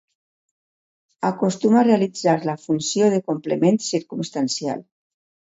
Acostuma a realitzar la funció de complement circumstancial.